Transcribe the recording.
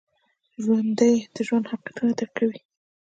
ژوندي د ژوند حقیقتونه درک کوي